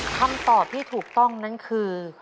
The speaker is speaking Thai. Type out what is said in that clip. คำตอบที่ถูกต้องนั้นคือ